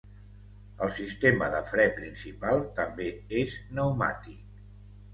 El sistema de fre principal també és pneumàtic.